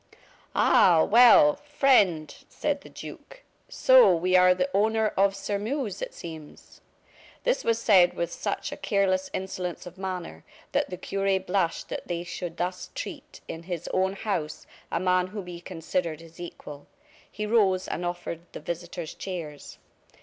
"Ah, well! friend," said the duke, "so we are the owner of Sairmeuse, it seems." This was said with such a careless insolence of manner that the cure blushed that they should thus treat, in his own house, a man whom he considered his equal. He rose and offered the visitors chairs.